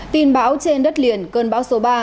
tin báo trên đất liền cơn báo số ba